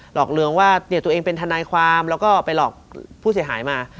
หลอกลวงว่าตัวเองเป็นทนายความแล้วก็ไปหลอกผู้เสียหายมา